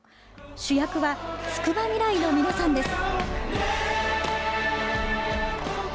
主役はつくばみらいの皆さんです。